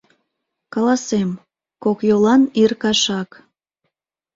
Каласем: кок йолан ир кашак.